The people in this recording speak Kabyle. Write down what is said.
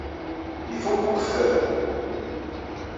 Ifuk ukeffay.